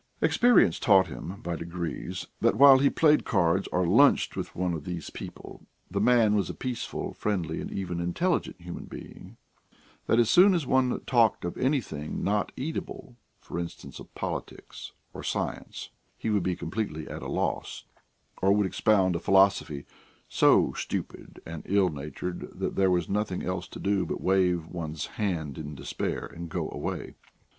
Experience taught him by degrees that while he played cards or lunched with one of these people, the man was a peaceable, friendly, and even intelligent human being; that as soon as one talked of anything not eatable, for instance, of politics or science, he would be completely at a loss, or would expound a philosophy so stupid and ill natured that there was nothing else to do but wave one's hand in despair and go away.